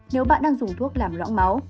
nếu bạn đang dùng thuốc làm loãng máu